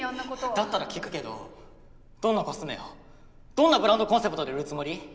だったら聞くけどどんなコスメをどんなブランドコンセプトで売るつもり？